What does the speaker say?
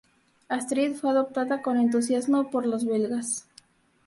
Astrid fue adoptada con entusiasmo por los belgas.